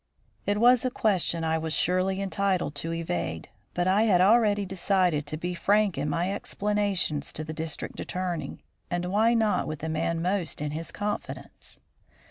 It was a question I was surely entitled to evade. But I had already decided to be frank in my explanations to the District Attorney, and why not with the man most in his confidence?